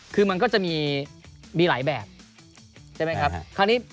คือมันก็จะมีมีหลายแบบใช่ไหมครับคราวนี้